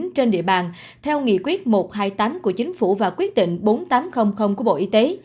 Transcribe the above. trên địa bàn theo nghị quyết một trăm hai mươi tám của chính phủ và quyết định bốn nghìn tám trăm linh của bộ y tế